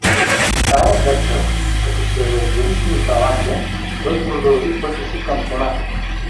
Тая вечер, като се раздели с Михалакя, той продължи пътя си към конака.